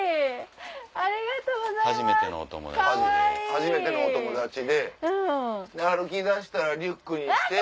初めてのお友達で歩きだしたらリュックにして。